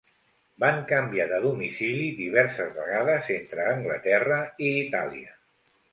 Van canviar de domicili diverses vegades entre Anglaterra i Itàlia.